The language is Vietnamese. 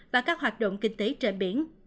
và các hoạt động kinh tế trên biển